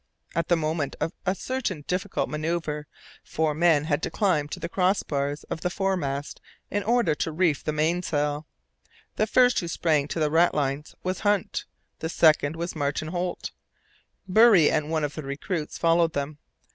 At the moment of a certain difficult manoeuvre, four men had to climb to the crossbars of the fore mast in order to reef the mainsail. The first who sprang to the ratlines was Hunt. The second was Martin Holt; Burry and one of the recruits followed them.